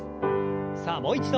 さあもう一度。